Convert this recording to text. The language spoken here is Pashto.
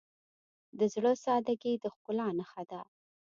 د زړه سادگی د ښکلا نښه ده.